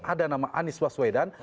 ada nama anies waswedan